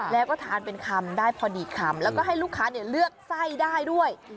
แล้วก็ทานเป็นคำได้พอดีคำแล้วก็ให้ลูกค้าเลือกไส้ได้ด้วย